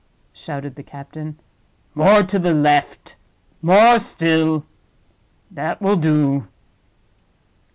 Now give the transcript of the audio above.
shouted the captain. "More to the left, more still—that will do.